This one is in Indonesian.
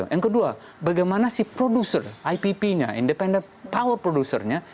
yang kedua bagaimana si produser ipp nya independent power producernya